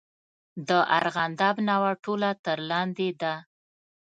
د ارغنداب ناوه ټوله تر لاندې ده.